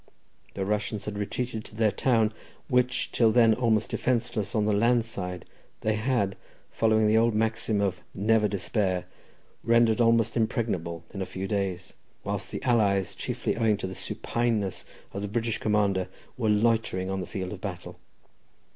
The Russians had retreated to their town, which, till then almost defenceless on the land side, they had, following their old maxim of "never despair," rendered almost impregnable in a few days, whilst the allies, chiefly owing to the supineness of the British commander, were loitering on the field of battle.